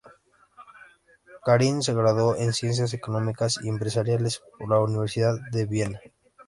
Karin se graduó en Ciencias Económicas y Empresariales por la Universidad de Viena.